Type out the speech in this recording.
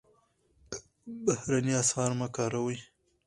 بهرني اسعار مه کاروئ.